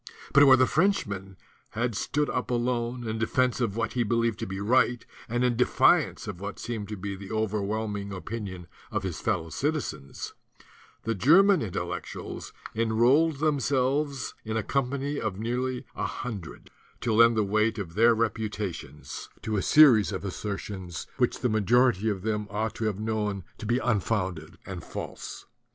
But where the Frenchman had stood up alone in defence of what he be lieved to be right and in defiance of what d to be the overwhelming opinion of his fellow citizens, the Orman Intellectuals en rolled them<elvcs in a company of nearly a hun dred to lend the weight of their reputations to a 35 THE DUTY OF THE INTELLECTUALS series of assertions, which the majority of them ought to have known to be unfounded and false.